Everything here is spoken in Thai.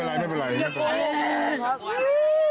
ลูกสาวล่ะตกลงขวบ